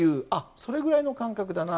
それぐらいの間隔だな。